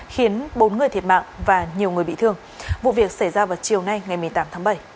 khiến bốn người thiệt mạng và nhiều người bị thương vụ việc xảy ra vào chiều nay ngày một mươi tám tháng bảy